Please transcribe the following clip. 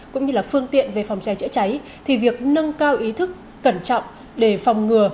cũng như là phương tiện về phòng cháy chữa cháy thì việc nâng cao ý thức cẩn trọng để phòng ngừa